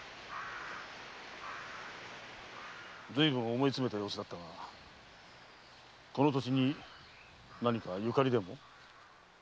ずいぶん思い詰めた様子だったがこの土地に何か縁でも？